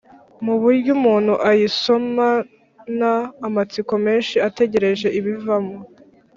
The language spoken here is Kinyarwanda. mu buryo umuntu ayisomana amatsiko menshi ategereje ibivamo